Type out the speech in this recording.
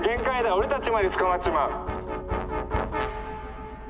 俺たちまで捕まっちまう！」。